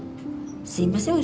すいません